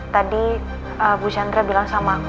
tadi bu chandra bilang sama